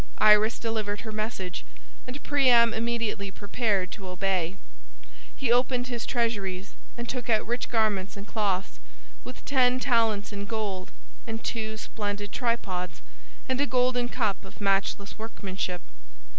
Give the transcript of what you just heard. Iris delivered her message, and Priam immediately prepared to obey. He opened his treasuries and took out rich garments and cloths, with ten talents in gold and two splendid tripods and a golden cup of matchless workmanship.